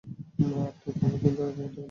আপনি অনেক দিন থেকেই এটাই বলছেন।